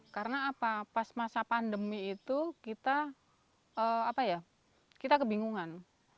karena apa pas masa pandemi itu kita apa ya kita kebingungan